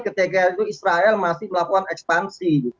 ketika itu israel masih melakukan ekspansi